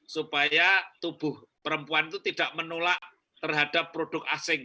supaya tubuh perempuan itu tidak menolak terhadap produk asing